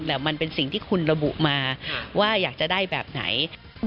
แต่มันเป็นสิ่งที่คุณระบุมาว่าอยากจะได้แบบไหน